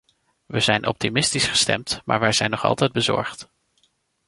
We zijn optimistisch gestemd maar wij zijn nog altijd bezorgd.